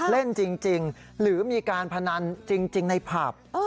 เล่นจริงหรือมีการพนันจริงในผับ